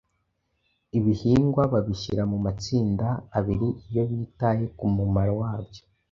Ibihingwa babishyira mu matsinda abiri iyo bitaye ku mumaro wabyo.